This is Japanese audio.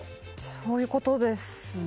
そういうことですね。